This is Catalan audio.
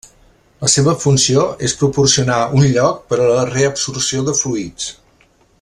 La seva funció és proporcionar un lloc per a la reabsorció de fluids.